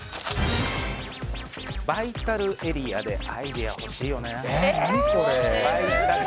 バイタルエリアでアイデア欲しいよね。